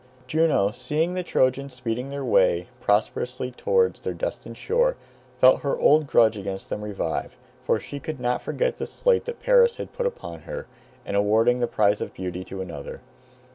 Juno, seeing the Trojans speeding their way prosperously towards their destined shore, felt her old grudge against them revive, for she could not forget the slight that Paris had put upon her, in awarding the prize of beauty to another.